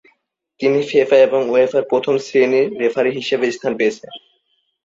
তিনি ফিফার এবং উয়েফার প্রথম শ্রেণির রেফারি হিসেবে স্থান পেয়েছেন।